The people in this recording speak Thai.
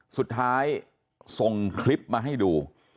สุดท้ายส่งคลิปมาให้ดู